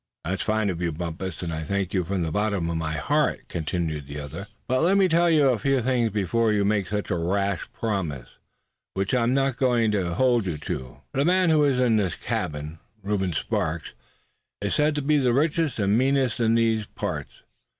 "That is fine of you, Bumpus, and I thank you from the bottom of my heart," continued the other, strangely moved. "But let me tell you a few things first before you make such a rash promise, which I am not going to hold you to, suh. The man who was in this cabin, Reuben Sparks, is said to be the richest and meanest in these parts.